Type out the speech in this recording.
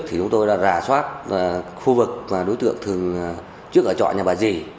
thì chúng tôi đã rà soát khu vực và đối tượng thường trước ở trọ nhà bà dì